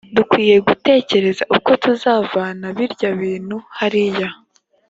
dukwiye gutekereza uko tuzavana birya bintu hariya